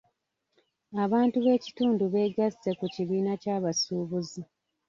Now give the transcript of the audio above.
Abantu b'ekitundu beegasse ku kibiina ky'abasuubuzi.